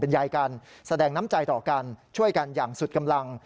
ยายกันแสดงน้ำใจต่อกันช่วยกันอย่างสุดกำลัง